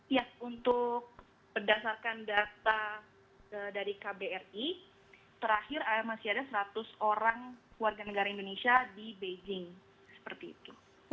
ya untuk berdasarkan data dari kbri terakhir masih ada seratus orang warga negara indonesia di beijing seperti itu